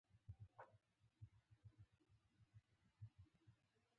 اساسي ستونزه په همدې محور پورې تړلې.